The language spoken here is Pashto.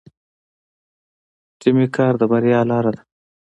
ټیمي کار د بریا لاره ده.